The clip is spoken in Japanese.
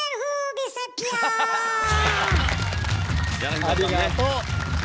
ありがとう！